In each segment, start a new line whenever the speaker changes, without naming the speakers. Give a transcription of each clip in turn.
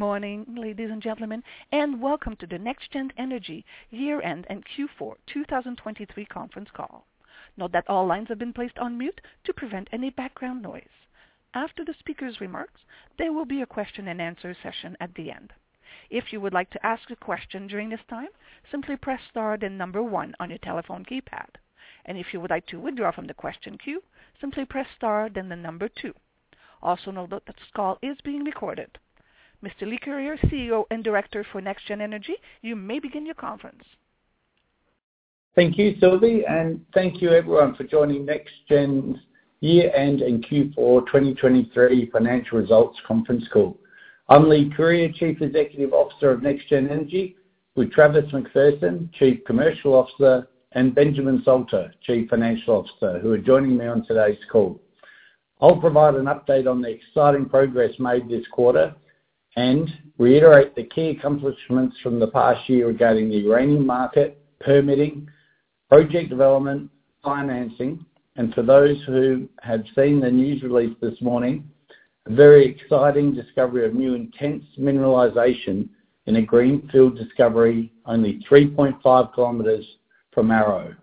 Morning, ladies and gentlemen, and welcome to the NexGen Energy year-end and Q4 2023 conference call. Note that all lines have been placed on mute to prevent any background noise. After the speaker's remarks, there will be a question-and-answer session at the end. If you would like to ask a question during this time, simply press star then number one on your telephone keypad. If you would like to withdraw from the question queue, simply press star then the number two. Also note that this call is being recorded. Mr. Leigh Curyer, CEO and Director for NexGen Energy, you may begin your conference.
Thank you, Sylvie, and thank you everyone for joining NexGen's year-end and Q4 2023 financial results conference call. I'm Leigh Curyer, Chief Executive Officer of NexGen Energy, with Travis McPherson, Chief Commercial Officer, and Benjamin Salter, Chief Financial Officer, who are joining me on today's call. I'll provide an update on the exciting progress made this quarter and reiterate the key accomplishments from the past year regarding the uranium market, permitting, project development, financing, and for those who have seen the news release this morning, a very exciting discovery of new intense mineralization in a greenfield discovery only 3.5 km from Arrow.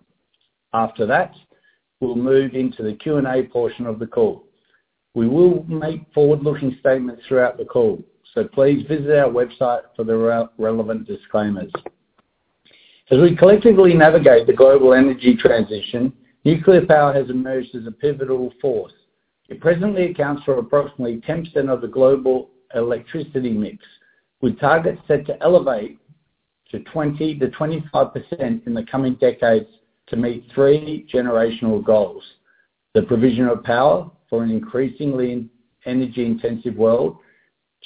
After that, we'll move into the Q&A portion of the call. We will make forward-looking statements throughout the call, so please visit our website for the relevant disclaimers. As we collectively navigate the global energy transition, nuclear power has emerged as a pivotal force. It presently accounts for approximately 10% of the global electricity mix, with targets set to elevate to 20%-25% in the coming decades to meet three generational goals: the provision of power for an increasingly energy-intensive world,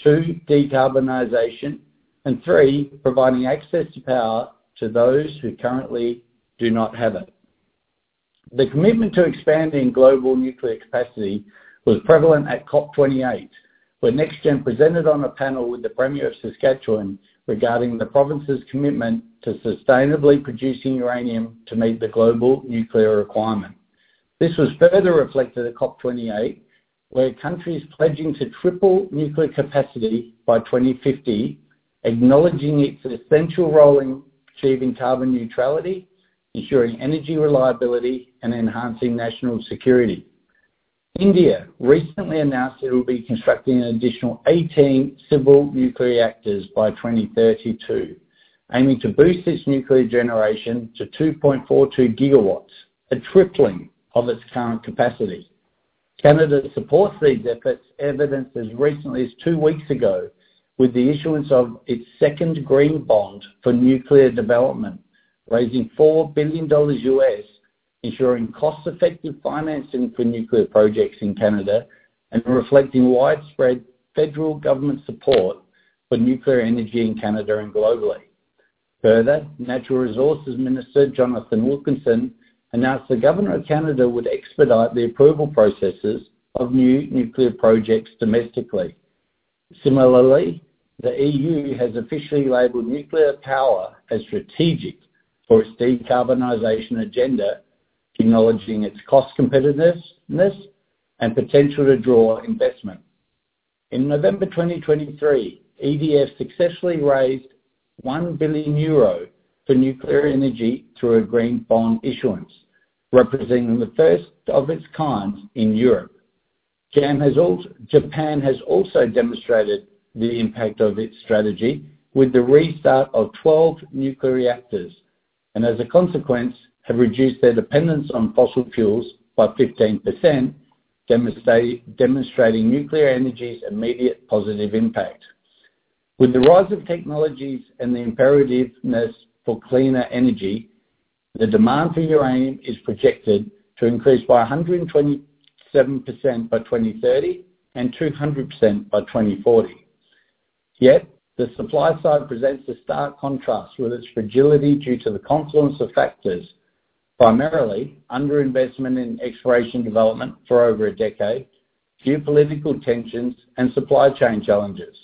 two, decarbonization, and three, providing access to power to those who currently do not have it. The commitment to expanding global nuclear capacity was prevalent at COP28, where NexGen presented on a panel with the Premier of Saskatchewan regarding the province's commitment to sustainably producing uranium to meet the global nuclear requirement. This was further reflected at COP28, where countries pledging to triple nuclear capacity by 2050, acknowledging its essential role in achieving carbon neutrality, ensuring energy reliability, and enhancing national security. India recently announced it will be constructing an additional 18 civil nuclear reactors by 2032, aiming to boost its nuclear generation to 2.42 GW, a tripling of its current capacity. Canada supports these efforts, evidenced as recently as two weeks ago with the issuance of its second green bond for nuclear development, raising $4 billion, ensuring cost-effective financing for nuclear projects in Canada, and reflecting widespread federal government support for nuclear energy in Canada and globally. Further, Natural Resources Minister Jonathan Wilkinson announced the Government of Canada would expedite the approval processes of new nuclear projects domestically. Similarly, the EU has officially labeled nuclear power as strategic for its decarbonization agenda, acknowledging its cost competitiveness and potential to draw investment. In November 2023, EDF successfully raised 1 billion euro for nuclear energy through a green bond issuance, representing the first of its kind in Europe. Japan has also demonstrated the impact of its strategy with the restart of 12 nuclear reactors and, as a consequence, have reduced their dependence on fossil fuels by 15%, demonstrating nuclear energy's immediate positive impact. With the rise of technologies and the imperativeness for cleaner energy, the demand for uranium is projected to increase by 127% by 2030 and 200% by 2040. Yet the supply side presents a stark contrast with its fragility due to the confluence of factors, primarily underinvestment in exploration development for over a decade, geopolitical tensions, and supply chain challenges.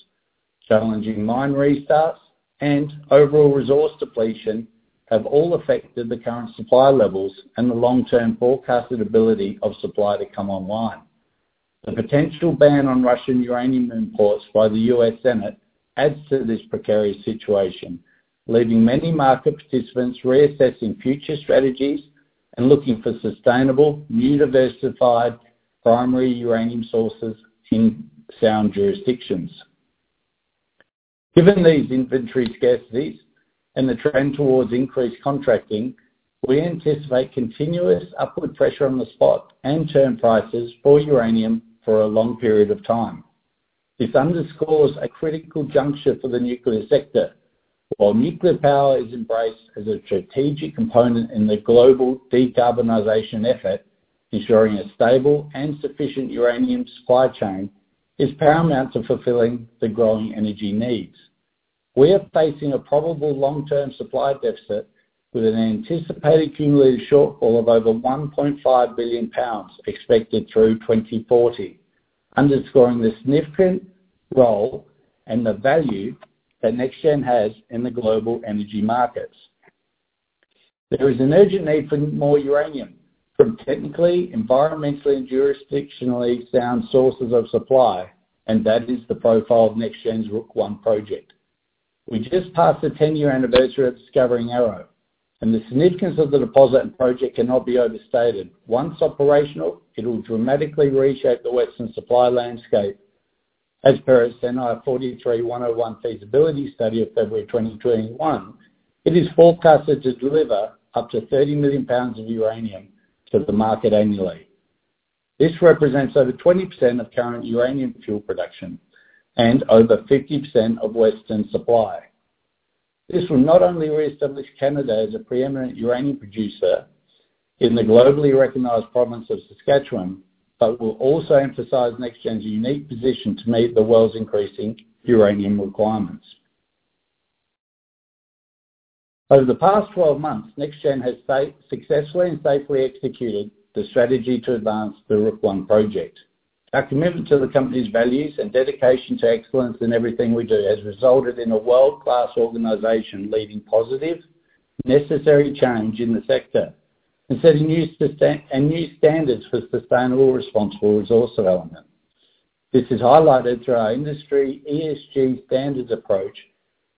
Challenging mine restarts and overall resource depletion have all affected the current supply levels and the long-term forecasted ability of supply to come online. The potential ban on Russian uranium imports by the U.S. Senate adds to this precarious situation, leaving many market participants reassessing future strategies and looking for sustainable, diversified primary uranium sources in sound jurisdictions. Given these inventory scarcities and the trend towards increased contracting, we anticipate continuous upward pressure on the spot and term prices for uranium for a long period of time. This underscores a critical juncture for the nuclear sector. While nuclear power is embraced as a strategic component in the global decarbonization effort, ensuring a stable and sufficient uranium supply chain is paramount to fulfilling the growing energy needs. We are facing a probable long-term supply deficit with an anticipated cumulative shortfall of over 1.5 billion lbs expected through 2040, underscoring the significant role and the value that NexGen has in the global energy markets. There is an urgent need for more uranium from technically, environmentally, and jurisdictionally sound sources of supply, and that is the profile of NexGen's Rook I project. We just passed the 10-year anniversary of discovering Arrow, and the significance of the deposit and project cannot be overstated. Once operational, it will dramatically reshape the Western supply landscape. As per its NI 43-101 feasibility study of February 2021, it is forecasted to deliver up to 30 million lbs of uranium to the market annually. This represents over 20% of current uranium fuel production and over 50% of Western supply. This will not only reestablish Canada as a preeminent uranium producer in the globally recognized province of Saskatchewan but will also emphasize NexGen's unique position to meet the world's increasing uranium requirements. Over the past 12 months, NexGen has successfully and safely executed the strategy to advance the Rook I project. Our commitment to the company's values and dedication to excellence in everything we do has resulted in a world-class organization leading positive, necessary change in the sector and setting new standards for sustainable, responsible resource development. This is highlighted through our industry ESG standards approach,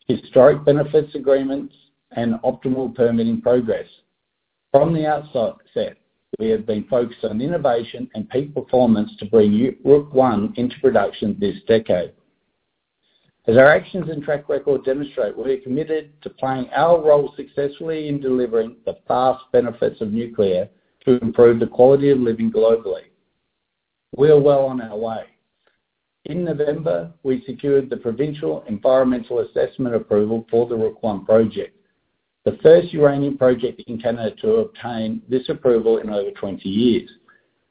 historic benefits agreements, and optimal permitting progress. From the outset, we have been focused on innovation and peak performance to bring Rook I into production this decade. As our actions and track record demonstrate, we're committed to playing our role successfully in delivering the fast benefits of nuclear to improve the quality of living globally. We're well on our way. In November, we secured the provincial environmental assessment approval for the Rook I project, the first uranium project in Canada to obtain this approval in over 20 years,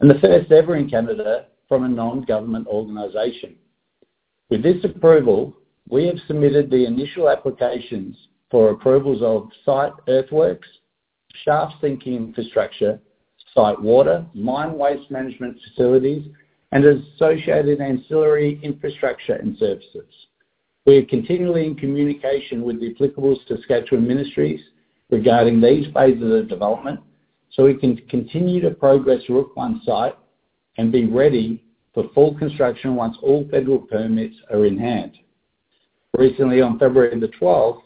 and the first ever in Canada from a non-government organization. With this approval, we have submitted the initial applications for approvals of site earthworks, shaft sinking infrastructure, site water, mine waste management facilities, and associated ancillary infrastructure and services. We are continually in communication with the applicable Saskatchewan ministries regarding these phases of development so we can continue to progress Rook I site and be ready for full construction once all federal permits are in hand. Recently, on February the 12th,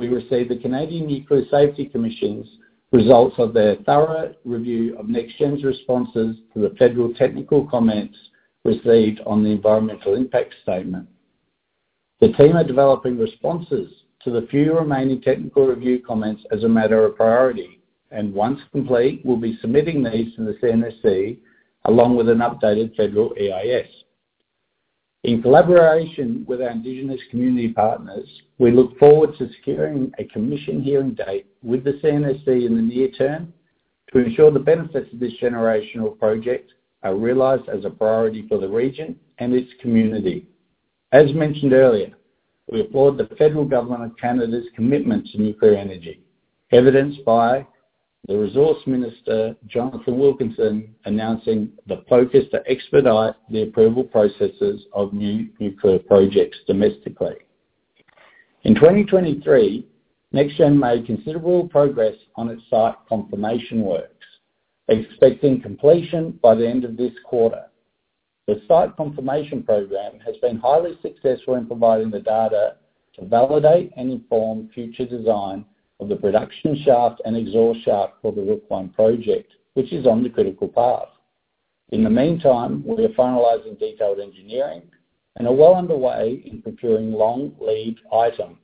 we received the Canadian Nuclear Safety Commission's results of their thorough review of NexGen's responses to the federal technical comments received on the environmental impact statement. The team are developing responses to the few remaining technical review comments as a matter of priority, and once complete, we'll be submitting these to the CNSC along with an updated federal EIS. In collaboration with our Indigenous community partners, we look forward to securing a commission hearing date with the CNSC in the near term to ensure the benefits of this generational project are realized as a priority for the region and its community. As mentioned earlier, we applaud the federal government of Canada's commitment to nuclear energy, evidenced by the Resource Minister Jonathan Wilkinson announcing the focus to expedite the approval processes of new nuclear projects domestically. In 2023, NexGen made considerable progress on its site confirmation works, expecting completion by the end of this quarter. The site confirmation program has been highly successful in providing the data to validate and inform future design of the production shaft and exhaust shaft for the Rook I project, which is on the critical path. In the meantime, we are finalizing detailed engineering and are well underway in procuring long lead items,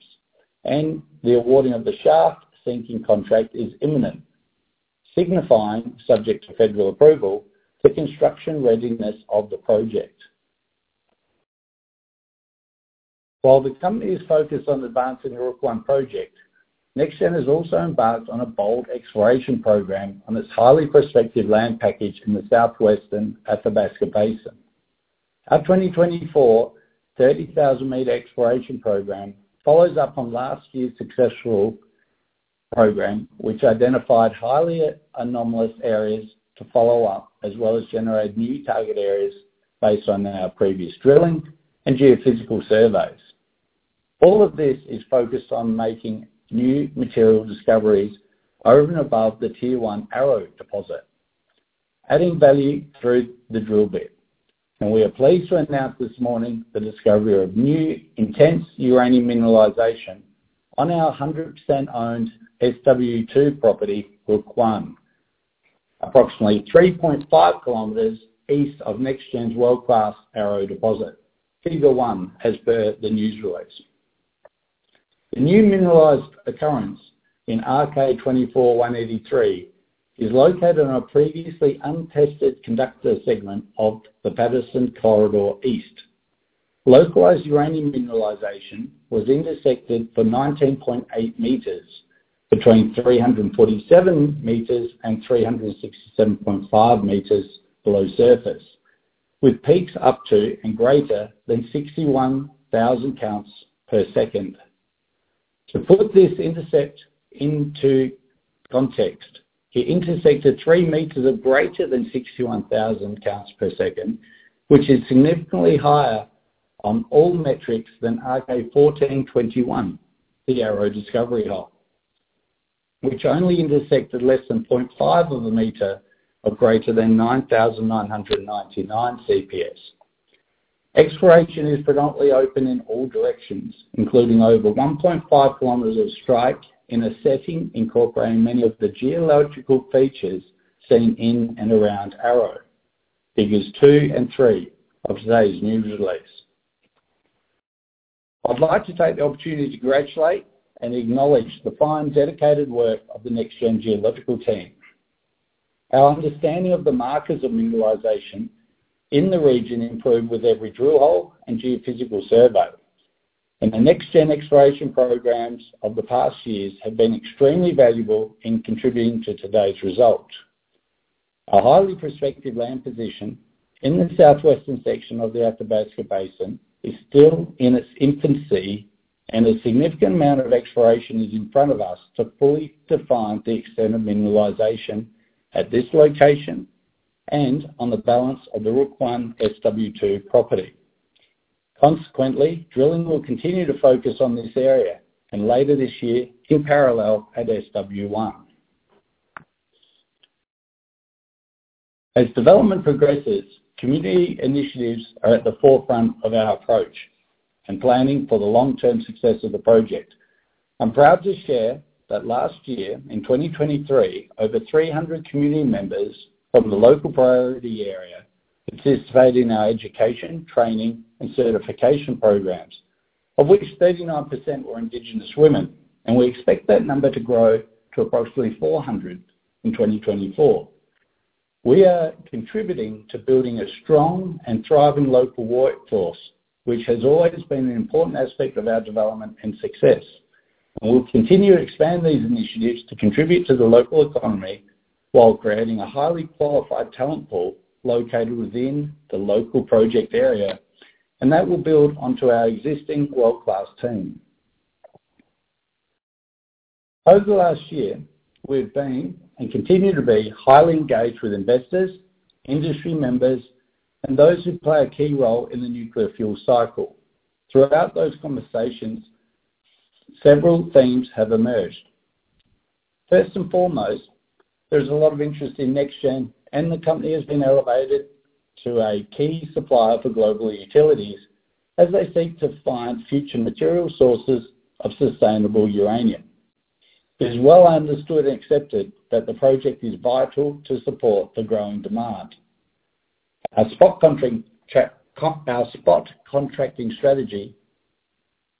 and the awarding of the shaft sinking contract is imminent, signifying, subject to federal approval, the construction readiness of the project. While the company is focused on advancing the Rook I project, NexGen has also embarked on a bold exploration program on its highly prospective land package in the southwestern Athabasca Basin. Our 2024 30,000-meter exploration program follows up on last year's successful program, which identified highly anomalous areas to follow up as well as generate new target areas based on our previous drilling and geophysical surveys. All of this is focused on making new material discoveries over and above the Tier one Arrow deposit, adding value through the drill bit. We are pleased to announce this morning the discovery of new intense uranium mineralization on our 100% owned SW2 property, Rook I, approximately 3.5 km east of NexGen's world-class Arrow deposit. Figure one as per the news release. The new mineralized occurrence in RK-24-183 is located on a previously untested conductor segment of the Patterson Corridor East. Localized uranium mineralization was intersected for 19.8 meters between 347 meters and 367.5 meters below surface, with peaks up to and greater than 61,000 counts per second. To put this intercept into context, it intersected three meters of greater than 61,000 counts per second, which is significantly higher on all metrics than RK-14-21, the Arrow Discovery hole, which only intersected less than 0.5 of a meter of greater than 9,999 CPS. Exploration is predominantly open in all directions, including over 1.5 km of strike in a setting incorporating many of the geological features seen in and around Arrow, Figures two and three of today's news release. I'd like to take the opportunity to congratulate and acknowledge the fine, dedicated work of the NexGen geological team. Our understanding of the markers of mineralization in the region improved with every drill hole and geophysical survey, and the NexGen exploration programs of the past years have been extremely valuable in contributing to today's result. Our highly prospective land position in the southwestern section of the Athabasca Basin is still in its infancy, and a significant amount of exploration is in front of us to fully define the extent of mineralization at this location and on the balance of the Rook I SW2 property. Consequently, drilling will continue to focus on this area and later this year in parallel at SW1. As development progresses, community initiatives are at the forefront of our approach and planning for the long-term success of the project. I'm proud to share that last year, in 2023, over 300 community members from the local priority area participated in our education, training, and certification programs, of which 39% were Indigenous women, and we expect that number to grow to approximately 400 in 2024. We are contributing to building a strong and thriving local workforce, which has always been an important aspect of our development and success, and we'll continue to expand these initiatives to contribute to the local economy while creating a highly qualified talent pool located within the local project area, and that will build onto our existing world-class team. Over the last year, we've been and continue to be highly engaged with investors, industry members, and those who play a key role in the nuclear fuel cycle. Throughout those conversations, several themes have emerged. First and foremost, there's a lot of interest in NexGen, and the company has been elevated to a key supplier for global utilities as they seek to find future material sources of sustainable uranium. It is well understood and accepted that the project is vital to support the growing demand. Our spot contracting strategy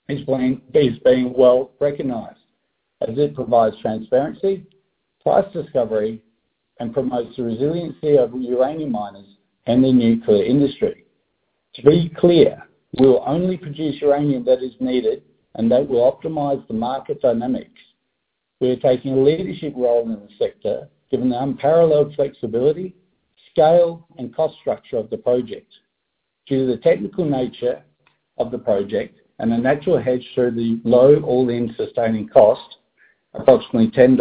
is being well recognised as it provides transparency, price discovery, and promotes the resiliency of uranium miners and the nuclear industry. To be clear, we'll only produce uranium that is needed, and that will optimise the market dynamics. We're taking a leadership role in the sector given the unparalleled flexibility, scale, and cost structure of the project. Due to the technical nature of the project and the natural hedge through the low all-in sustaining cost, approximately $10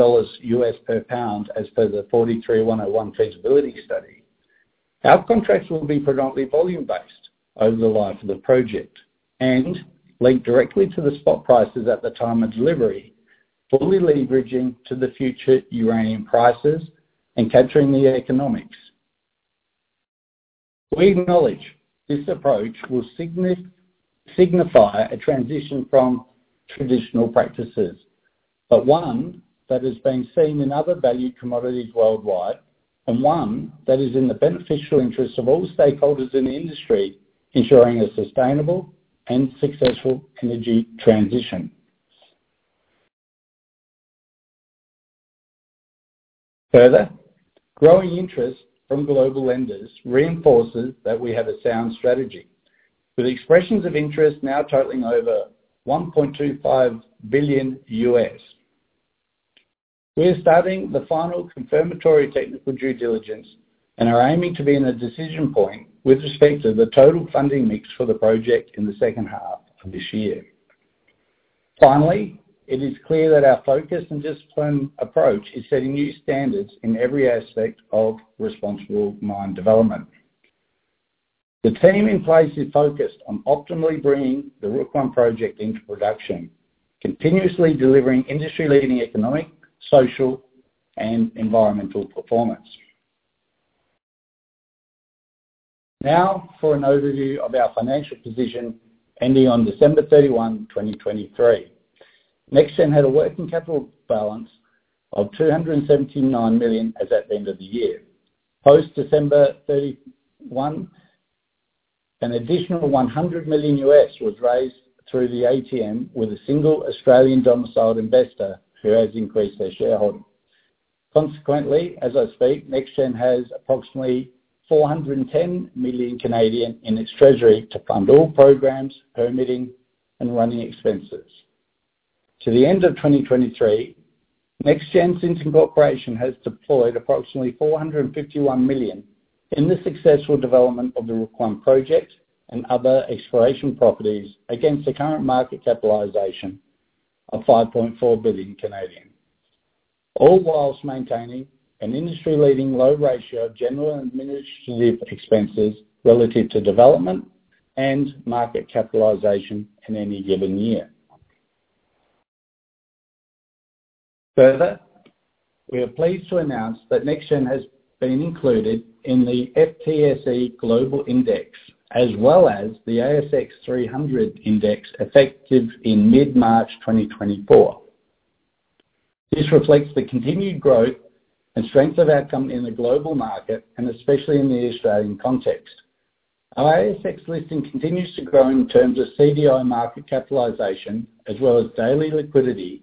per pound as per the NI 43-101 feasibility study, our contracts will be predominantly volume-based over the life of the project and link directly to the spot prices at the time of delivery, fully leveraging to the future uranium prices and capturing the economics. We acknowledge this approach will signify a transition from traditional practices, but one that has been seen in other valued commodities worldwide and one that is in the beneficial interest of all stakeholders in the industry, ensuring a sustainable and successful energy transition. Further, growing interest from global lenders reinforces that we have a sound strategy, with expressions of interest now totaling over $1.25 billion. We are starting the final confirmatory technical due diligence and are aiming to be in a decision point with respect to the total funding mix for the project in the second half of this year. Finally, it is clear that our focus and discipline approach is setting new standards in every aspect of responsible mine development. The team in place is focused on optimally bringing the Rook I project into production, continuously delivering industry-leading economic, social, and environmental performance. Now for an overview of our financial position ending on December 31, 2023. NexGen had a working capital balance of 279 million at the end of the year. Post-December 31, an additional $100 million was raised through the ATM with a single Australian domiciled investor who has increased their shareholding. Consequently, as I speak, NexGen has approximately 410 million in its treasury to fund all programs, permitting, and running expenses. To the end of 2023, NexGen's incorporation has deployed approximately 451 million in the successful development of the Rook I Project and other exploration properties against a current market capitalization of 5.4 billion, all while maintaining an industry-leading low ratio of general administrative expenses relative to development and market capitalization in any given year. Further, we are pleased to announce that NexGen has been included in the FTSE Global Index as well as the ASX 300 Index, effective in mid-March 2024. This reflects the continued growth and strength of our company in the global market, and especially in the Australian context. Our ASX listing continues to grow in terms of CDI market capitalization as well as daily liquidity,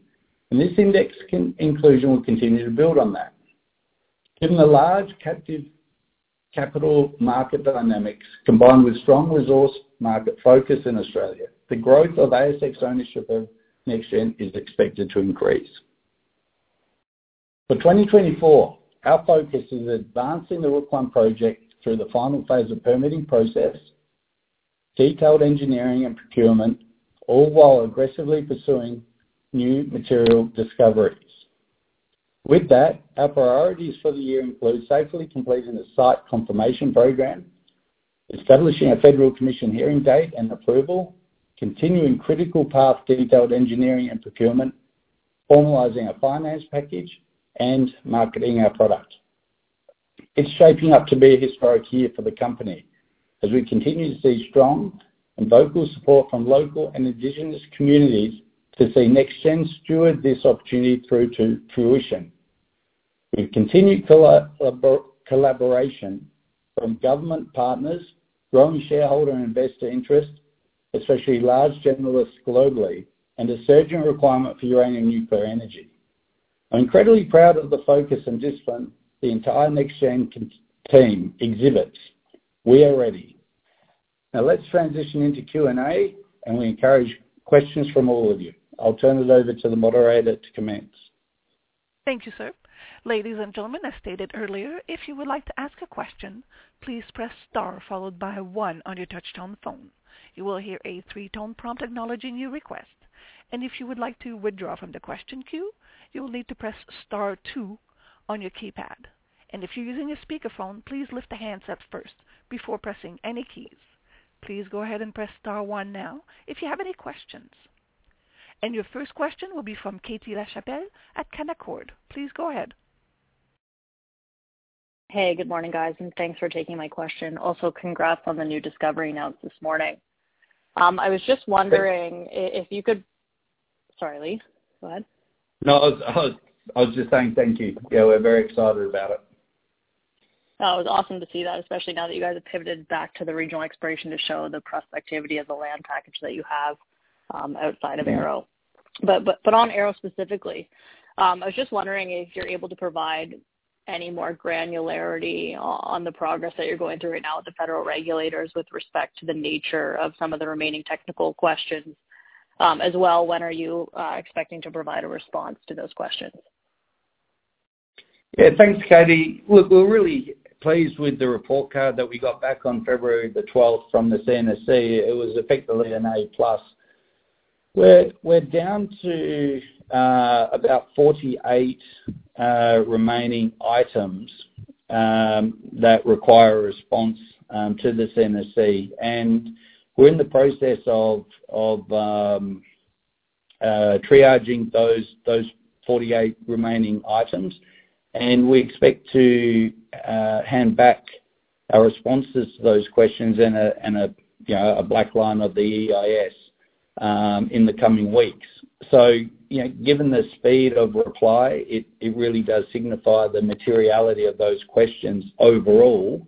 and this index inclusion will continue to build on that. Given the large captive capital market dynamics combined with strong resource market focus in Australia, the growth of ASX ownership of NexGen is expected to increase. For 2024, our focus is advancing the Rook I project through the final phase of permitting process, detailed engineering, and procurement, all while aggressively pursuing new material discoveries. With that, our priorities for the year include safely completing the site confirmation program, establishing a federal commission hearing date and approval, continuing critical path detailed engineering and procurement, formalizing a finance package, and marketing our product. It's shaping up to be a historic year for the company as we continue to see strong and vocal support from local and Indigenous communities to see NexGen steward this opportunity through to fruition. With continued collaboration from government partners, growing shareholder and investor interest, especially large generalists globally, and a surging requirement for uranium nuclear energy, I'm incredibly proud of the focus and discipline the entire NexGen team exhibits. We are ready. Now, let's transition into Q&A, and we encourage questions from all of you. I'll turn it over to the moderator to commence.
Thank you, sir. Ladies and gentlemen, as stated earlier, if you would like to ask a question, please press star followed by one on your touch-tone phone. You will hear a three-tone prompt acknowledging your request. And if you would like to withdraw from the question queue, you will need to press star two on your keypad. And if you're using a speakerphone, please lift the handset first before pressing any keys. Please go ahead and press star one now if you have any questions. Your first question will be from Katie Lachapelle at Canaccord. Please go ahead.
Hey, good morning, guys, and thanks for taking my question. Also, congrats on the new discovery announced this morning. I was just wondering if you could, sorry, Leigh. Go ahead.
No, I was just saying thank you. Yeah, we're very excited about it.
Oh, it was awesome to see that, especially now that you guys have pivoted back to the regional exploration to show the prospectivity of the land package that you have outside of Arrow. But on Arrow specifically, I was just wondering if you're able to provide any more granularity on the progress that you're going through right now with the federal regulators with respect to the nature of some of the remaining technical questions as well. When are you expecting to provide a response to those questions?
Yeah, thanks, Katie. Look, we're really pleased with the report card that we got back on February the 12th from the CNSC. It was effectively an A-plus. We're down to about 48 remaining items that require a response to the CNSC, and we're in the process of triaging those 48 remaining items, and we expect to hand back our responses to those questions in a black line of the EIS in the coming weeks. So given the speed of reply, it really does signify the materiality of those questions overall.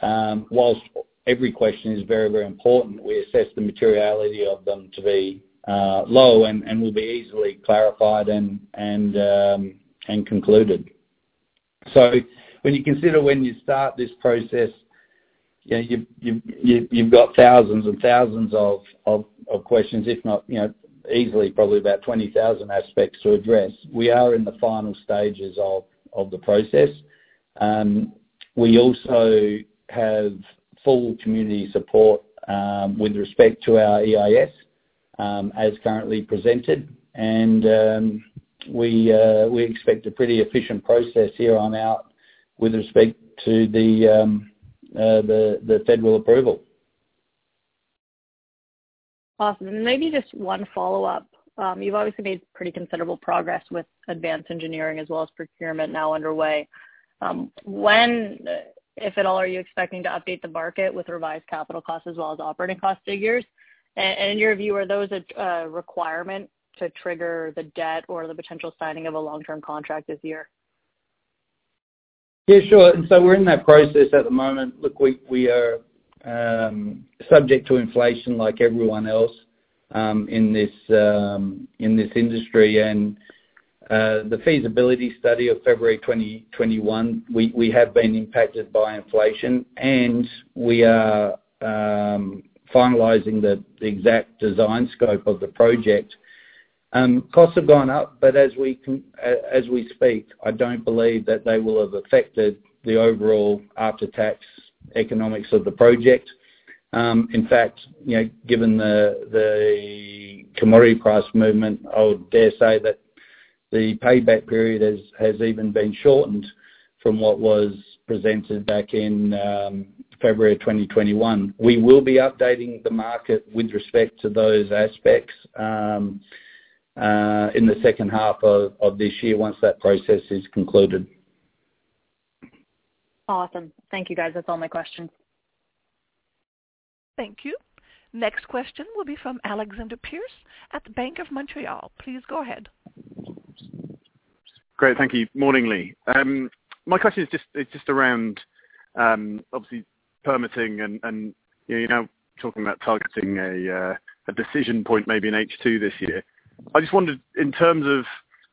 While every question is very, very important, we assess the materiality of them to be low and will be easily clarified and concluded. So when you consider when you start this process, you've got thousands and thousands of questions, if not easily, probably about 20,000 aspects to address. We are in the final stages of the process. We also have full community support with respect to our EIS as currently presented, and we expect a pretty efficient process here on out with respect to the federal approval.
Awesome. Maybe just one follow-up. You've obviously made pretty considerable progress with advanced engineering as well as procurement now underway. When, if at all, are you expecting to update the market with revised capital costs as well as operating cost figures? In your view, are those a requirement to trigger the debt or the potential signing of a long-term contract this year?
Yeah, sure. And so we're in that process at the moment. Look, we are subject to inflation like everyone else in this industry, and the feasibility study of February 2021, we have been impacted by inflation, and we are finalizing the exact design scope of the project. Costs have gone up, but as we speak, I don't believe that they will have affected the overall after-tax economics of the project. In fact, given the commodity price movement, I would dare say that the payback period has even been shortened from what was presented back in February 2021. We will be updating the market with respect to those aspects in the second half of this year once that process is concluded.
Awesome. Thank you, guys. That's all my questions.
Thank you. Next question will be from Alexander Pearce at the Bank of Montreal. Please go ahead.
Great. Thank you. Morning, Leigh. My question is just around, obviously, permitting and talking about targeting a decision point maybe in H2 this year. I just wondered, in terms of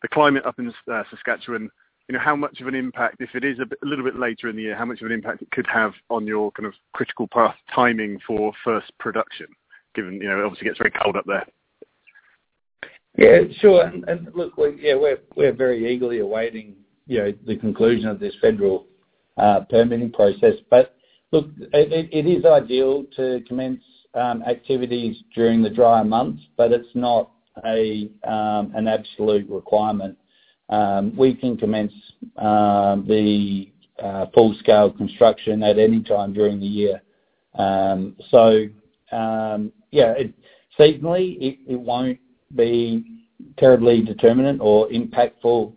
the climate up in Saskatchewan, how much of an impact, if it is a little bit later in the year, how much of an impact it could have on your kind of critical path timing for first production, given it obviously gets very cold up there?
Yeah, sure. And look, yeah, we're very eagerly awaiting the conclusion of this federal permitting process. But look, it is ideal to commence activities during the drier months, but it's not an absolute requirement. We can commence the full-scale construction at any time during the year. So yeah, seasonally, it won't be terribly determinant or impactful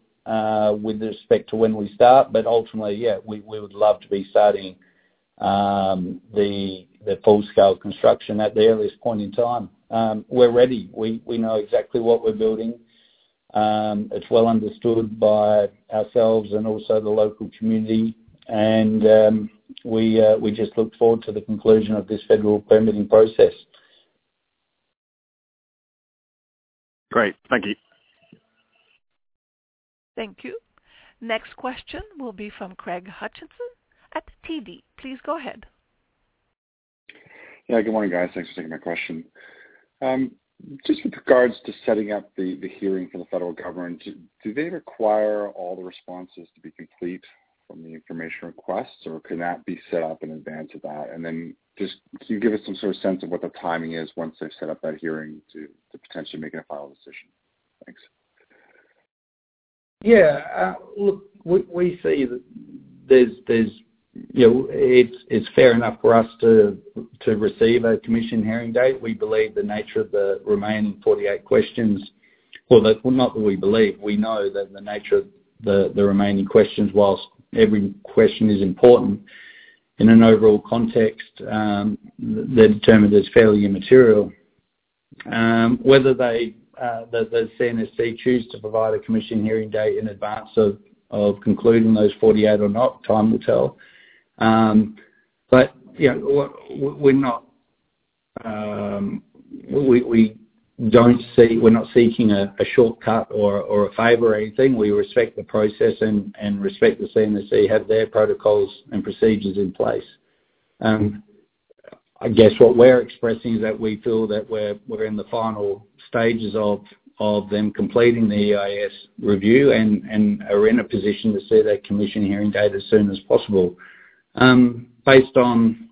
with respect to when we start, but ultimately, yeah, we would love to be starting the full-scale construction at the earliest point in time. We're ready. We know exactly what we're building. It's well understood by ourselves and also the local community, and we just look forward to the conclusion of this federal permitting process.
Great. Thank you.
Thank you. Next question will be from Craig Hutchison at TD. Please go ahead.
Yeah, good morning, guys. Thanks for taking my question. Just with regards to setting up the hearing for the federal government, do they require all the responses to be complete from the information requests, or can that be set up in advance of that? And then just can you give us some sort of sense of what the timing is once they've set up that hearing to potentially make a final decision? Thanks.
Yeah. Look, we see that there's it's fair enough for us to receive a commission hearing date. We believe the nature of the remaining 48 questions well, not that we believe. We know that the nature of the remaining questions, while every question is important in an overall context, they're determined as fairly immaterial. Whether the CNSC choose to provide a commission hearing date in advance of concluding those 48 or not, time will tell. But we're not we're not seeking a shortcut or a favor or anything. We respect the process and respect the CNSC have their protocols and procedures in place. I guess what we're expressing is that we feel that we're in the final stages of them completing the EIS review and are in a position to see their commission hearing date as soon as possible. Based on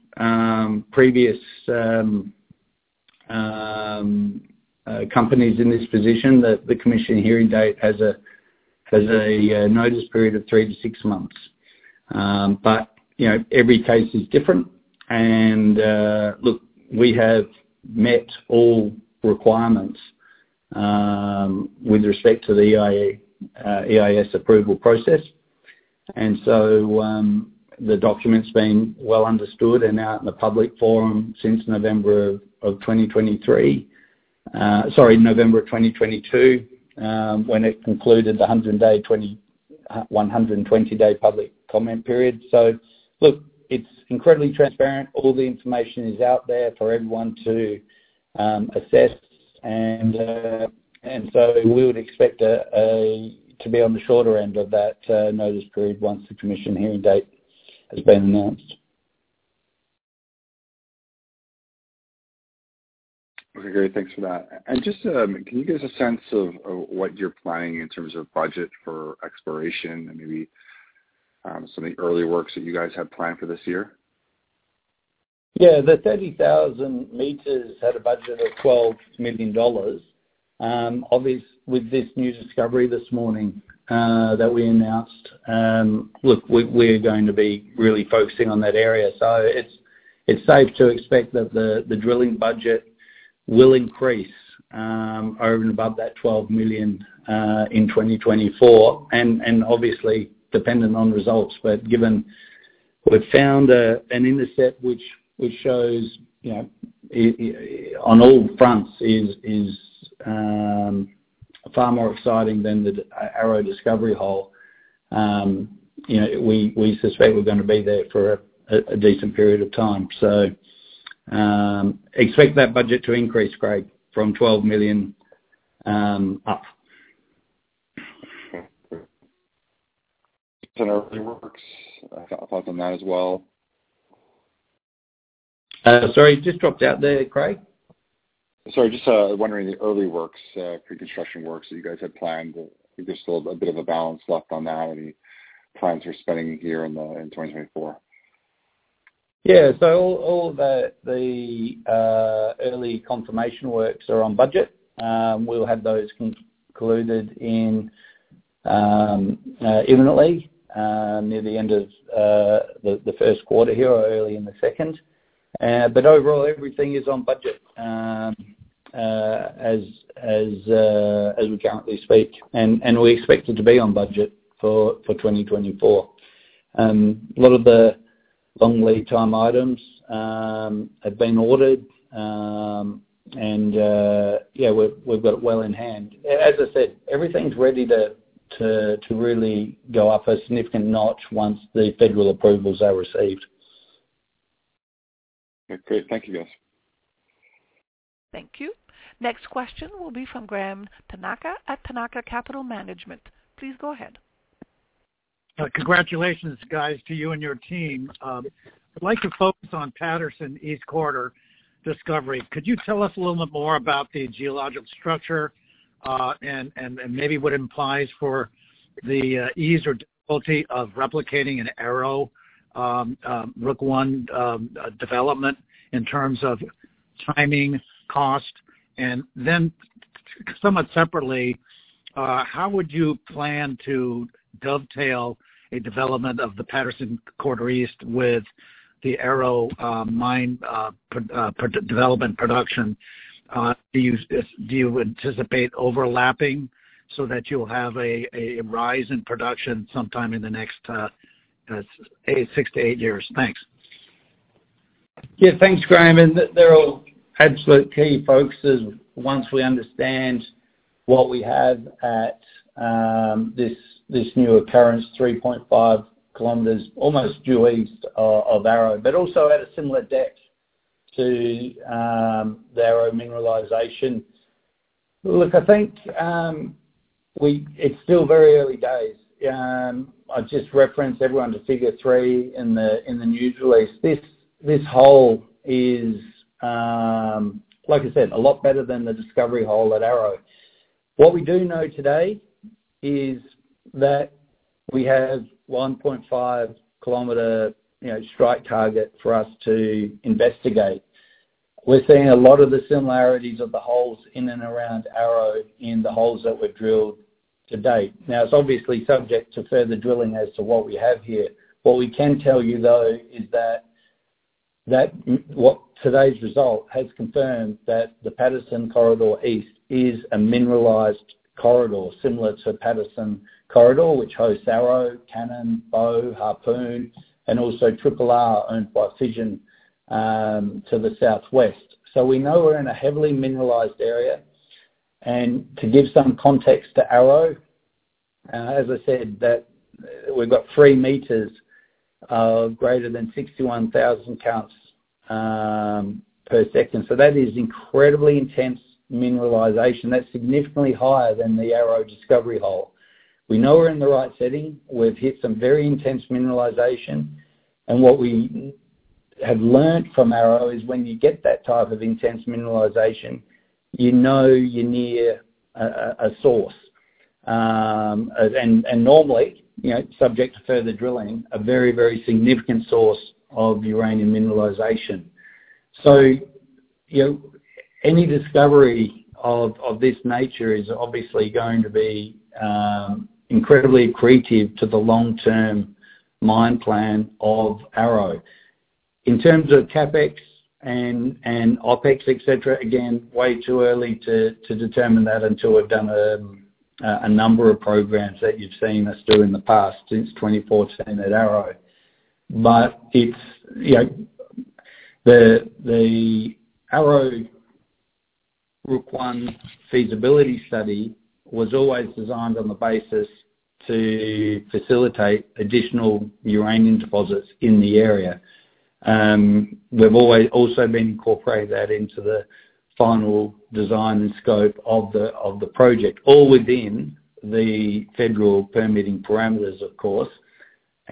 previous companies in this position, the commission hearing date has a notice period of three-six months. But every case is different. Look, we have met all requirements with respect to the EIS approval process, and so the document's been well understood and out in the public forum since November of 2023, sorry, November of 2022, when it concluded the 120-day public comment period. Look, it's incredibly transparent. All the information is out there for everyone to assess, and so we would expect to be on the shorter end of that notice period once the commission hearing date has been announced.
Okay, great. Thanks for that. And just can you give us a sense of what you're planning in terms of budget for exploration and maybe some of the early works that you guys have planned for this year?
Yeah, the 30,000 meters had a budget of 12 million dollars. Obviously, with this new discovery this morning that we announced, look, we're going to be really focusing on that area. So it's safe to expect that the drilling budget will increase over and above that 12 million in 2024, and obviously dependent on results. But given we've found an intercept which shows on all fronts is far more exciting than the Arrow discovery hole, we suspect we're going to be there for a decent period of time. So expect that budget to increase, Craig, from 12 million up.
Early works, I thought on that as well.
Sorry, it just dropped out there, Craig.
Sorry, just wondering the early works, pre-construction works that you guys had planned? I think there's still a bit of a balance left on that and the plans for spending here in 2024.
Yeah, so all the early confirmation works are on budget. We'll have those concluded imminently near the end of the first quarter here or early in the second. Overall, everything is on budget as we currently speak, and we expect it to be on budget for 2024. A lot of the long lead-time items have been ordered, and yeah, we've got it well in hand. As I said, everything's ready to really go up a significant notch once the federal approvals are received.
Okay, great. Thank you, guys.
Thank you. Next question will be from Graham Tanaka at Tanaka Capital Management. Please go ahead.
Congratulations, guys, to you and your team. I'd like to focus on Patterson Corridor East discovery. Could you tell us a little bit more about the geological structure and maybe what it implies for the ease or difficulty of replicating an Arrow Rook I development in terms of timing, cost? And then somewhat separately, how would you plan to dovetail a development of the Patterson Corridor East with the Arrow mine development production? Do you anticipate overlapping so that you'll have a rise in production sometime in the next six-eight years? Thanks.
Yeah, thanks, Graham. And they're all absolute key focuses once we understand what we have at this new occurrence, 3.5 km almost due east of Arrow, but also at a similar depth to the Arrow mineralization. Look, I think it's still very early days. I just referenced everyone to Figure three in the news release. This hole is, like I said, a lot better than the discovery hole at Arrow. What we do know today is that we have 1.5 km strike target for us to investigate. We're seeing a lot of the similarities of the holes in and around Arrow in the holes that were drilled to date. Now, it's obviously subject to further drilling as to what we have here. What we can tell you, though, is that today's result has confirmed that the Patterson Corridor East is a mineralized corridor similar to Patterson Corridor, which hosts Arrow, Cannon, Bow, Harpoon, and also Triple R owned by Fission to the southwest. So we know we're in a heavily mineralized area. And to give some context to Arrow, as I said, we've got three meters of greater than 61,000 counts per second. So that is incredibly intense mineralization. That's significantly higher than the Arrow discovery hole. We know we're in the right setting. We've hit some very intense mineralization. And what we have learned from Arrow is when you get that type of intense mineralization, you know you're near a source. And normally, subject to further drilling, a very, very significant source of uranium mineralization. So any discovery of this nature is obviously going to be incredibly accretive to the long-term mine plan of Arrow. In terms of CapEx and OpEx, etc., again, way too early to determine that until we've done a number of programs that you've seen us do in the past since 2014 at Arrow. The Arrow Rook I feasibility study was always designed on the basis to facilitate additional uranium deposits in the area. We've also been incorporating that into the final design and scope of the project, all within the federal permitting parameters, of course.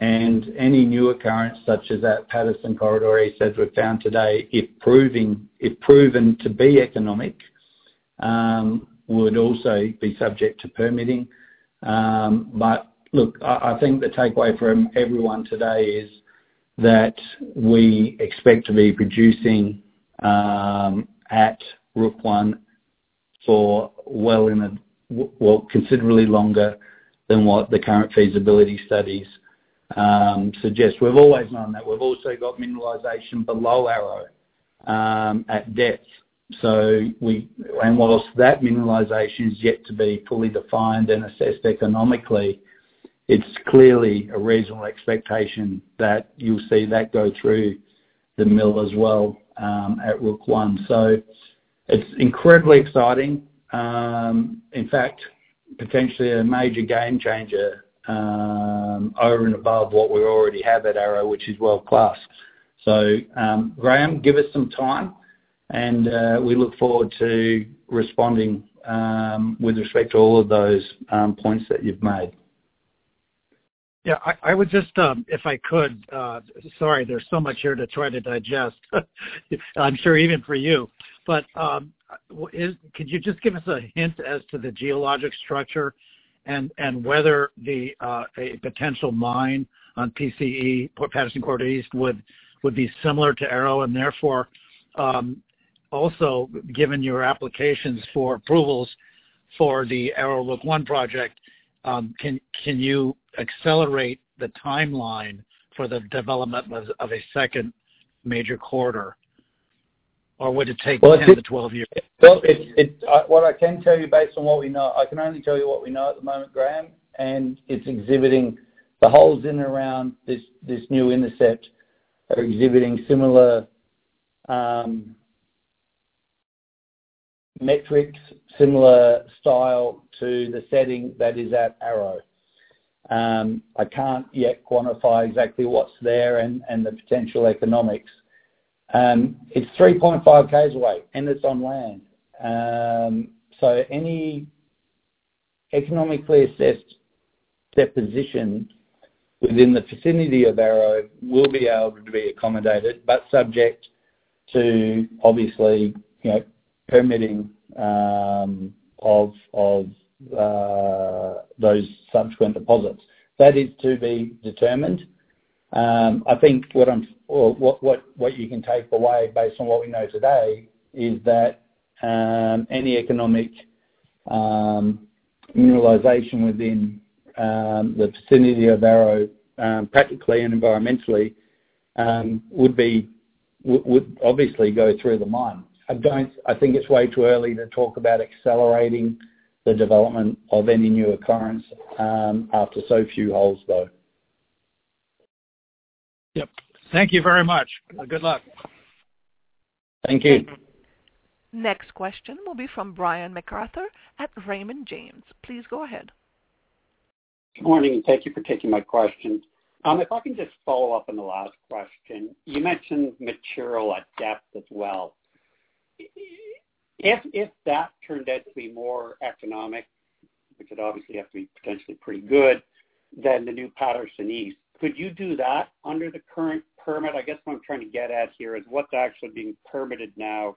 Any new occurrence such as that Patterson Corridor East that we've found today, if proven to be economic, would also be subject to permitting. But look, I think the takeaway for everyone today is that we expect to be producing at Rook I for, well, considerably longer than what the current feasibility studies suggest. We've always known that. We've also got mineralization below Arrow at depth. While that mineralization is yet to be fully defined and assessed economically, it's clearly a reasonable expectation that you'll see that go through the mill as well at Rook I. It's incredibly exciting, in fact, potentially a major game-changer over and above what we already have at Arrow, which is world-class. Graham, give us some time, and we look forward to responding with respect to all of those points that you've made.
Yeah, I would just, if I could, sorry, there's so much here to try to digest, I'm sure even for you. But could you just give us a hint as to the geologic structure and whether a potential mine on PCE, Patterson Corridor East, would be similar to Arrow? And therefore, also given your applications for approvals for the Arrow Rook I project, can you accelerate the timeline for the development of a second major corridor, or would it take 10-12 years?
Well, what I can tell you based on what we know I can only tell you what we know at the moment, Graham. And the holes in and around this new intercept are exhibiting similar metrics, similar style to the setting that is at Arrow. I can't yet quantify exactly what's there and the potential economics. It's 3.5 k's away, and it's on land. So any economically assessed deposit within the vicinity of Arrow will be able to be accommodated but subject to, obviously, permitting of those subsequent deposits. That is to be determined. I think what you can take away based on what we know today is that any economic mineralization within the vicinity of Arrow, practically and environmentally, would obviously go through the mine. I think it's way too early to talk about accelerating the development of any new occurrence after so few holes, though.
Yep. Thank you very much. Good luck.
Thank you.
Next question will be from Brian McArthur at Raymond James. Please go ahead.
Good morning, and thank you for taking my question. If I can just follow up on the last question, you mentioned material at depth as well. If that turned out to be more economic, which would obviously have to be potentially pretty good, than the new Patterson East, could you do that under the current permit? I guess what I'm trying to get at here is what's actually being permitted now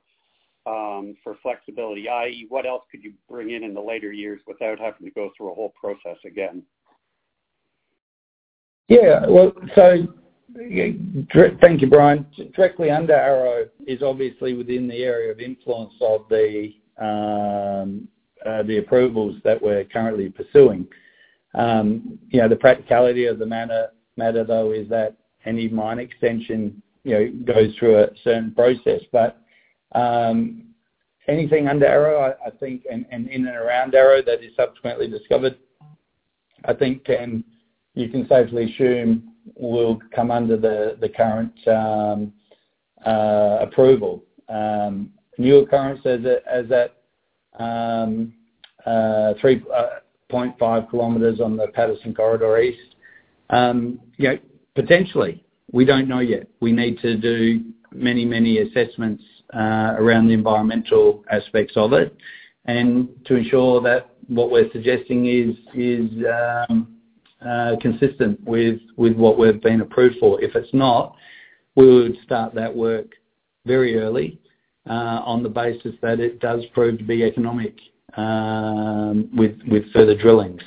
for flexibility, i.e., what else could you bring in in the later years without having to go through a whole process again?
Yeah, well, so thank you, Brian. Directly under Arrow is obviously within the area of influence of the approvals that we're currently pursuing. The practicality of the matter, though, is that any mine extension goes through a certain process. But anything under Arrow, I think, and in and around Arrow that is subsequently discovered, I think you can safely assume will come under the current approval. New occurrence as at 3.5 km on the Patterson Corridor East, potentially. We don't know yet. We need to do many, many assessments around the environmental aspects of it and to ensure that what we're suggesting is consistent with what we've been approved for. If it's not, we would start that work very early on the basis that it does prove to be economic with further drilling.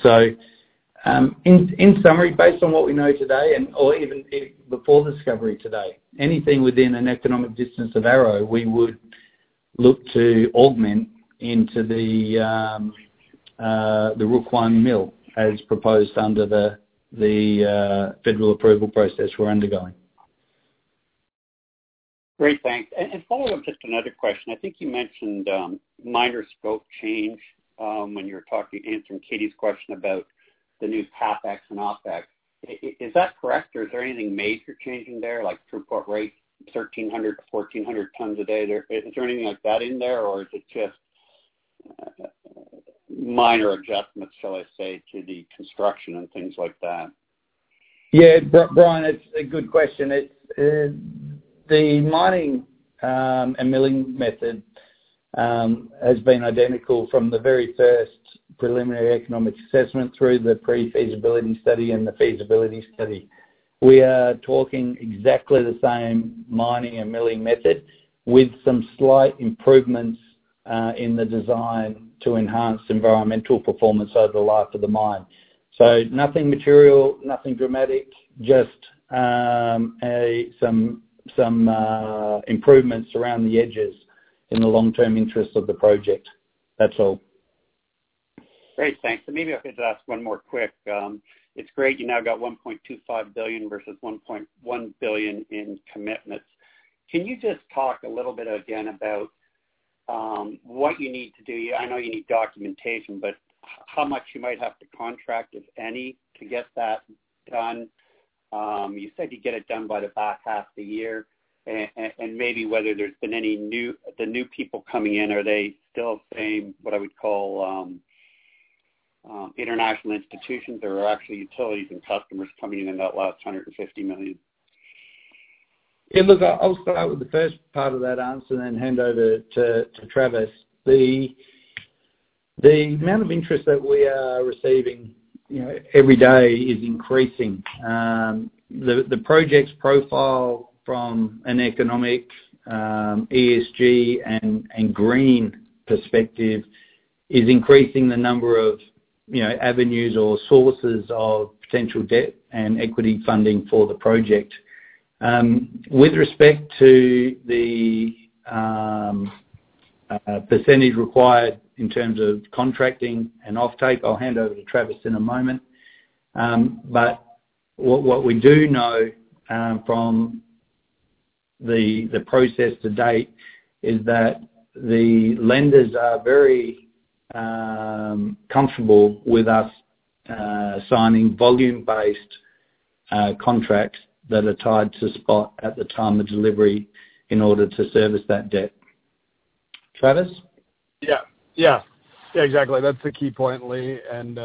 In summary, based on what we know today or even before discovery today, anything within an economic distance of Arrow, we would look to augment into the Rook I mill as proposed under the federal approval process we're undergoing.
Great, thanks. And following up just another question, I think you mentioned minor scope change when you were answering Katie's question about the new CapEx and OpEx. Is that correct, or is there anything major changing there, like throughput rate 1,300-1,400 tonnes a day? Is there anything like that in there, or is it just minor adjustments, shall I say, to the construction and things like that?
Yeah, Brian, it's a good question. The mining and milling method has been identical from the very first preliminary economic assessment through the pre-feasibility study and the feasibility study. We are talking exactly the same mining and milling method with some slight improvements in the design to enhance environmental performance over the life of the mine. So nothing material, nothing dramatic, just some improvements around the edges in the long-term interest of the project. That's all.
Great, thanks. And maybe I could just ask one more quick. It's great you now got 1.25 billion versus 1.1 billion in commitments. Can you just talk a little bit again about what you need to do? I know you need documentation, but how much you might have to contract, if any, to get that done? You said you get it done by the back half of the year. And maybe whether there's been any new, the new people coming in, are they still same, what I would call international institutions, or are actually utilities and customers coming in in that last 150 million?
Yeah, look, I'll start with the first part of that answer and then hand over to Travis. The amount of interest that we are receiving every day is increasing. The project's profile from an economic, ESG, and green perspective is increasing the number of avenues or sources of potential debt and equity funding for the project. With respect to the percentage required in terms of contracting and offtake, I'll hand over to Travis in a moment. But what we do know from the process to date is that the lenders are very comfortable with us signing volume-based contracts that are tied to spot at the time of delivery in order to service that debt. Travis?
Yeah, yeah, yeah, exactly. That's the key point, Leigh. And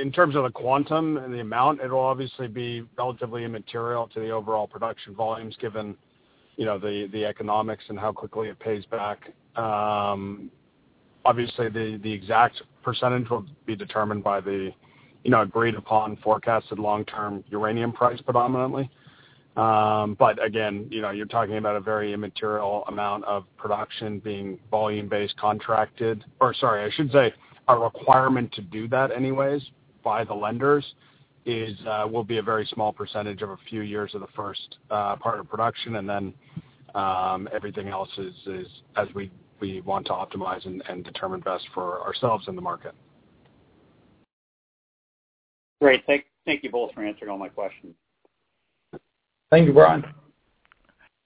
in terms of the quantum and the amount, it'll obviously be relatively immaterial to the overall production volumes given the economics and how quickly it pays back. Obviously, the exact percentage will be determined by the agreed-upon forecasted long-term uranium price predominantly. But again, you're talking about a very immaterial amount of production being volume-based contracted or sorry, I should say a requirement to do that anyways by the lenders will be a very small percentage of a few years of the first part of production, and then everything else is as we want to optimize and determine best for ourselves and the market.
Great. Thank you both for answering all my questions.
Thank you, Brian.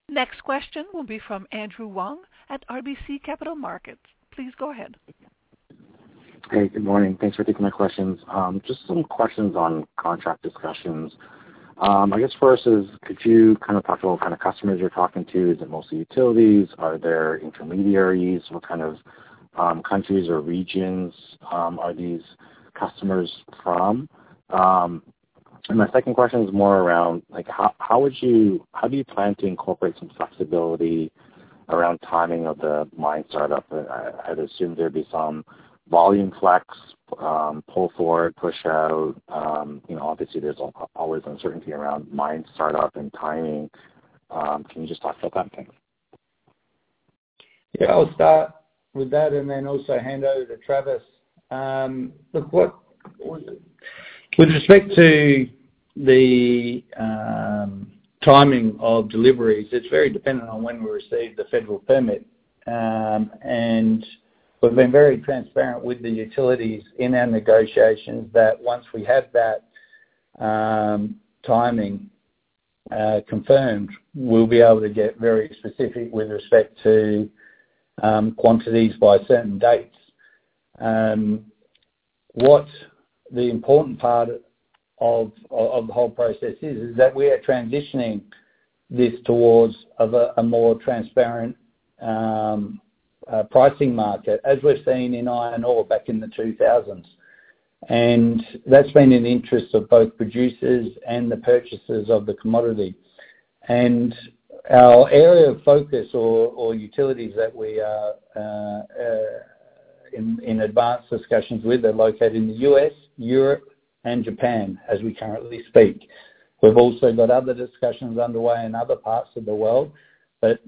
Next question will be from Andrew Wong at RBC Capital Markets. Please go ahead.
Hey, good morning. Thanks for taking my questions. Just some questions on contract discussions. I guess first is, could you kind of talk to what kind of customers you're talking to? Is it mostly utilities? Are there intermediaries? What kind of countries or regions are these customers from? And my second question is more around, how do you plan to incorporate some flexibility around timing of the mine startup? I'd assume there'd be some volume flex, pull forward, push out. Obviously, there's always uncertainty around mine startup and timing. Can you just talk about that, thanks?
Yeah, I'll start with that, and then also hand over to Travis. Look, with respect to the timing of deliveries, it's very dependent on when we receive the federal permit. And we've been very transparent with the utilities in our negotiations that once we have that timing confirmed, we'll be able to get very specific with respect to quantities by certain dates. What the important part of the whole process is, is that we are transitioning this towards a more transparent pricing market as we've seen in iron ore back in the 2000s. And that's been in the interest of both producers and the purchasers of the commodity. And our area of focus or utilities that we are in advanced discussions with are located in the U.S., Europe, and Japan as we currently speak. We've also got other discussions underway in other parts of the world, but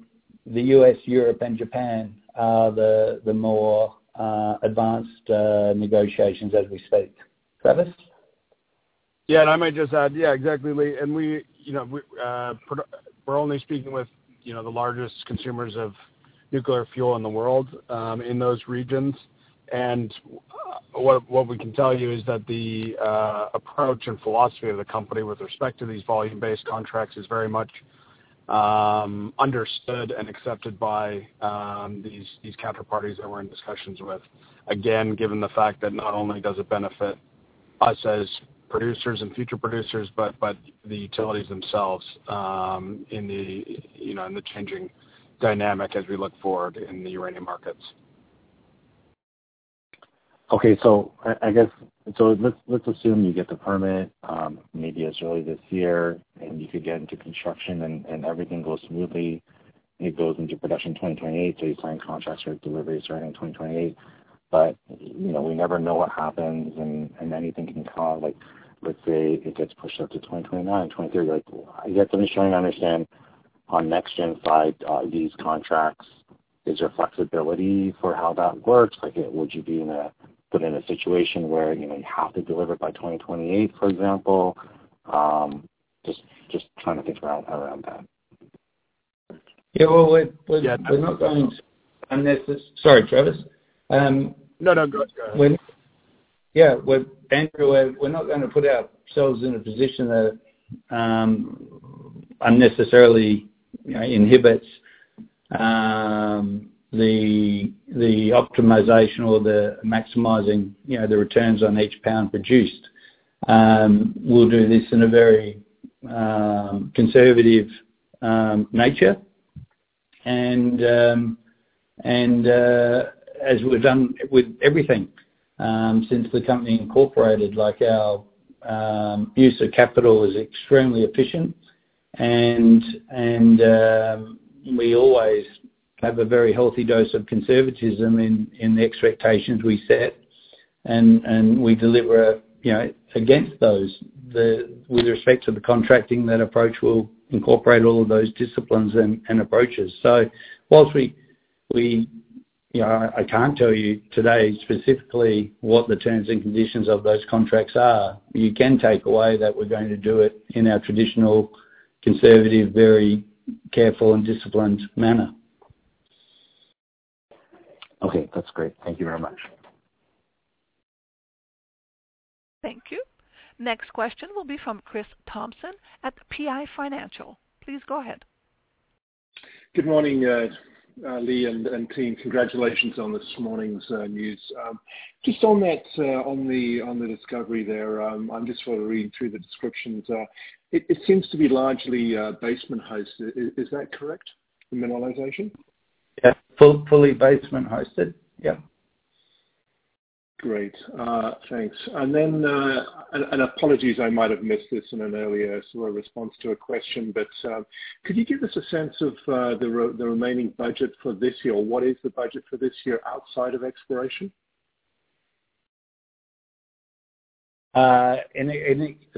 the U.S., Europe, and Japan are the more advanced negotiations as we speak. Travis?
Yeah, and I might just add, yeah, exactly, Lee. And we're only speaking with the largest consumers of nuclear fuel in the world in those regions. And what we can tell you is that the approach and philosophy of the company with respect to these volume-based contracts is very much understood and accepted by these counterparties that we're in discussions with, again, given the fact that not only does it benefit us as producers and future producers, but the utilities themselves in the changing dynamic as we look forward in the uranium markets.
Okay, so I guess so let's assume you get the permit maybe as early this year, and you could get into construction, and everything goes smoothly. It goes into production 2028, so you sign contracts for deliveries starting in 2028. But we never know what happens, and anything can cause let's say it gets pushed up to 2029, 2030. I guess I'm just trying to understand on NexGen side, these contracts, is there flexibility for how that works? Would you be put in a situation where you have to deliver by 2028, for example? Just trying to think around that.
Yeah, well, we're not going sorry, Travis?
No, no, go ahead, go ahead.
Yeah, Andrew, we're not going to put ourselves in a position that unnecessarily inhibits the optimization or the maximizing the returns on each pound produced. We'll do this in a very conservative nature. As we've done with everything since the company incorporated, our use of capital is extremely efficient, and we always have a very healthy dose of conservatism in the expectations we set, and we deliver against those. With respect to the contracting, that approach will incorporate all of those disciplines and approaches. So while I can't tell you today specifically what the terms and conditions of those contracts are. You can take away that we're going to do it in our traditional, conservative, very careful and disciplined manner.
Okay, that's great. Thank you very much.
Thank you. Next question will be from Chris Thompson at PI Financial. Please go ahead.
Good morning, Lee and team. Congratulations on this morning's news. Just on the discovery there, I'm just sort of reading through the descriptions. It seems to be largely basement hosted. Is that correct, the mineralization?
Yeah, fully basement hosted. Yep.
Great, thanks. And apologies, I might have missed this in an earlier sort of response to a question, but could you give us a sense of the remaining budget for this year? Or what is the budget for this year outside of exploration?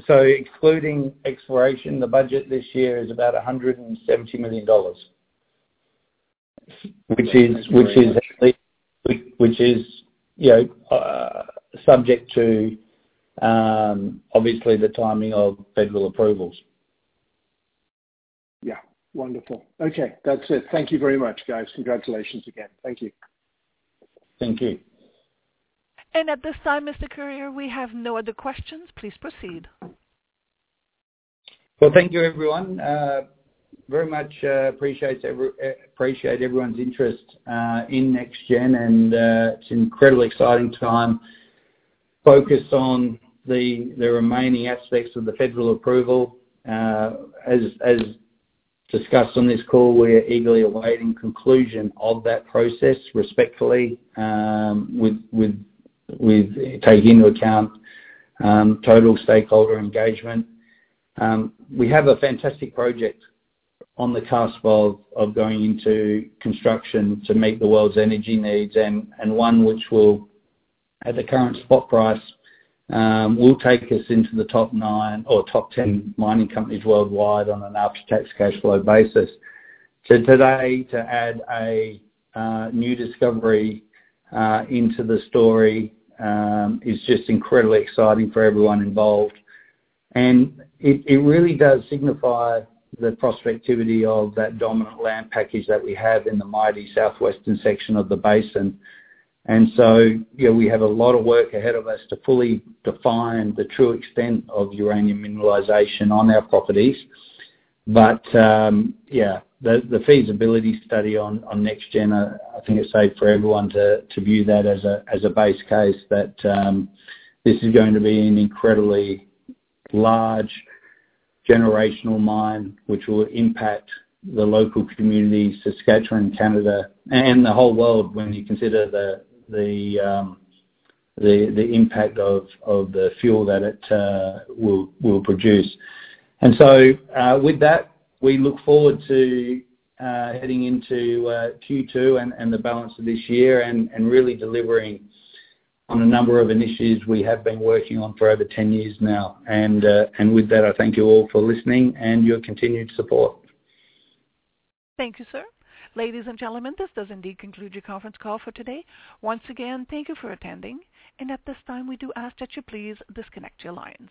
Excluding exploration, the budget this year is about $170 million, which is subject to, obviously, the timing of federal approvals.
Yeah, wonderful. Okay, that's it. Thank you very much, guys. Congratulations again. Thank you.
Thank you.
At this time, Mr. Curyer, we have no other questions. Please proceed.
Well, thank you, everyone. Very much appreciate everyone's interest in NexGen, and it's an incredibly exciting time focused on the remaining aspects of the federal approval. As discussed on this call, we're eagerly awaiting conclusion of that process respectfully with taking into account total stakeholder engagement. We have a fantastic project on the cusp of going into construction to meet the world's energy needs and one which will, at the current spot price, will take us into the top nine or top 10 mining companies worldwide on an after-tax cash flow basis. So today, to add a new discovery into the story is just incredibly exciting for everyone involved. And it really does signify the prospectivity of that dominant land package that we have in the mighty southwestern section of the basin. And so we have a lot of work ahead of us to fully define the true extent of uranium mineralization on our properties. But yeah, the feasibility study on NexGen, I think it's safe for everyone to view that as a base case, that this is going to be an incredibly large generational mine which will impact the local communities, Saskatchewan, Canada, and the whole world when you consider the impact of the fuel that it will produce. And so with that, we look forward to heading into Q2 and the balance of this year and really delivering on a number of initiatives we have been working on for over 10 years now. And with that, I thank you all for listening and your continued support.
Thank you, sir. Ladies and gentlemen, this does indeed conclude your conference call for today. Once again, thank you for attending. At this time, we do ask that you please disconnect your lines.